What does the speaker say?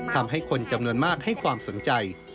ทำให้คนจำนวนมากให้ความสนใจ